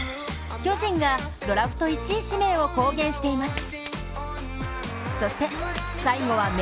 巨人が、ドラフト１位指名を公言しています。